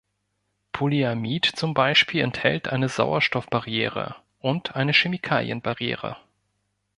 Polyamid zum Beispiel enthält eine Sauerstoff-Barriere und eine Chemikalien-Barriere.